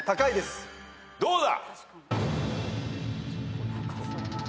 どうだ？